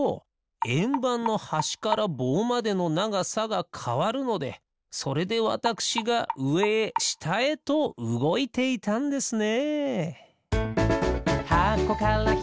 えんばんのはしからぼうまでのながさがかわるのでそれでわたくしがうえへしたへとうごいていたんですね。